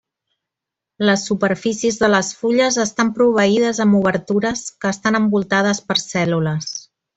Les superfícies de les fulles estan proveïdes amb obertures que estan envoltades per cèl·lules.